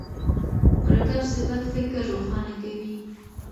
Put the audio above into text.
مرکب صفت فکر روښانه کوي.